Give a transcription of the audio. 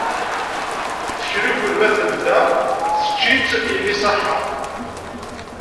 Teklukel ma tenda, tečč-itt yelli ṣṣaḥḥa.